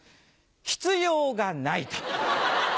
必要がないと。